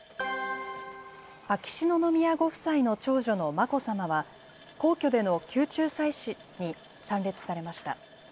秋篠宮ご夫妻の長女の眞子さまは、皇居での宮中祭祀に参列されました。